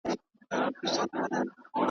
دولتمند که ډېر لیري وي خلک یې خپل ګڼي